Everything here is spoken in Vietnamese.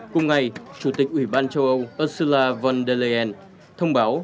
cùng ngày chủ tịch ủy ban châu âu ursula von der leyen thông báo